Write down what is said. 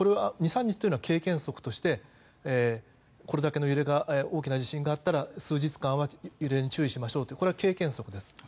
２３日というのは経験則として、これだけの揺れが大きな地震があったら数日間は揺れに注意しましょうとこれは経験則です。